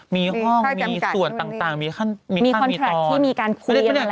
มีห้องมีส่วนต่างมีข้างมีตอนมีค่อยจำกัดมีค่อยจำกัด